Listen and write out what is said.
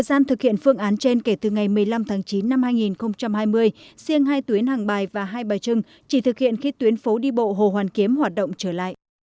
chuyện phương án trên kể từ ngày một mươi năm tháng chín năm hai nghìn hai mươi riêng hai tuyến hàng bài và hai bà trưng chỉ thực hiện khi tuyến phố đi bộ hồ hoàn kiếm hoạt động trở lại